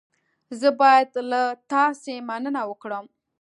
زه باید له تاسې مننه وکړم.